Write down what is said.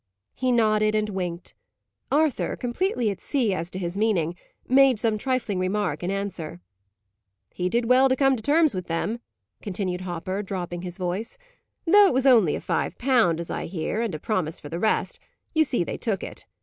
He nodded and winked. Arthur, completely at sea as to his meaning, made some trifling remark in answer. "He did well to come to terms with them," continued Hopper, dropping his voice. "Though it was only a five pound, as I hear, and a promise for the rest, you see they took it.